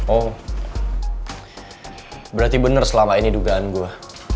oh berarti benar selama ini dugaan gue